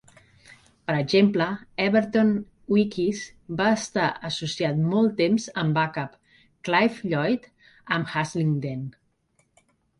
Per exemple, Everton Weekes va estar associat molt temps amb Bacup; Clive Lloyd amb Haslingden.